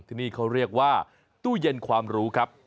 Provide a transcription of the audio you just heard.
ที่นี่เขาเรียกว่าตู้เย็นความรู้ครับ